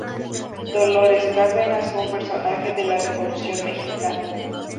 Dolores Cárdenas fue un personaje de la Revolución Mexicana.